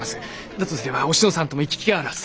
だとすればおしのさんとも行き来があるはずだ。